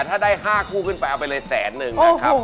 ถ้าได้๕คู่ขึ้นไปเอาไปเลยแสนนึงนะครับ